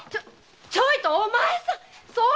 ちょいとお前さん！